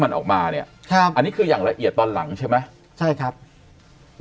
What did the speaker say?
มันออกมานะอันนี้คืออย่างละเอียดตอนเหล่าใช่ไหมครับมี